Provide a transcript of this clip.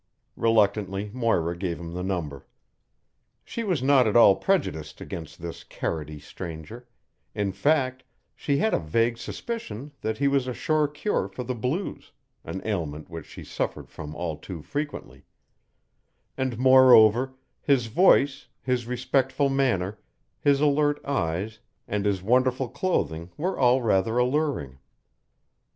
Reluctantly Moira gave him the number. She was not at all prejudiced against this carroty stranger in fact, she had a vague suspicion that he was a sure cure for the blues, an ailment which she suffered from all too frequently; and, moreover, his voice, his respectful manner, his alert eyes, and his wonderful clothing were all rather alluring.